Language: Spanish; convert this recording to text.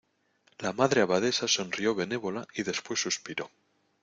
la Madre Abadesa sonrió benévola, y después suspiró: